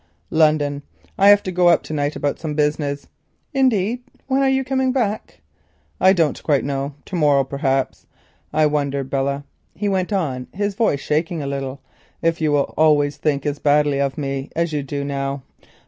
"London; I have to go up to night about some business." "Indeed; when are you coming back?" "I don't quite know—to morrow, perhaps. I wonder, Belle," he went on, his voice shaking a little, "if you will always think as badly of me as you do now."